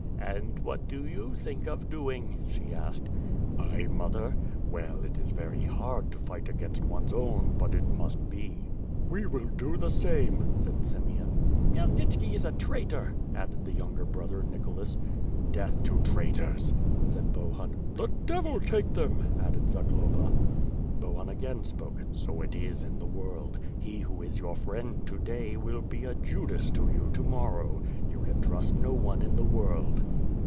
"And what do you think of doing," she asked. "I, mother? Well, it is very hard to fight against one's own, but it must be." "We will do the same," said Simeon. "Khmyelnitski is a traitor," added the younger brother, Nicholas. "Death to traitors!" said Bohun. "The devil take them!" added Zagloba. Bohun again spoke. "So it is in the world! He who is your friend to day, will be a Judas to you to morrow. You can trust no one in the world."